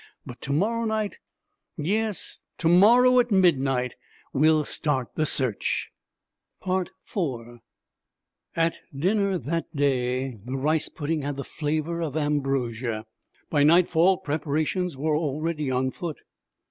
But to morrow night yes, to morrow at midnight we'll start the search!' IV At dinner that day the rice pudding had the flavor of ambrosia. By night fall preparations were already on foot.